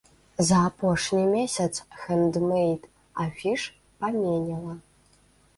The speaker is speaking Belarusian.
За апошні месяц хэндмэйд-афіш паменела.